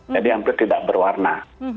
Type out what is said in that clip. jadi hampir tidak berwarna